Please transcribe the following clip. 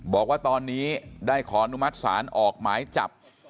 บอกว่าตอนนี้ได้ขออนุมัติศาลออกหมายจับ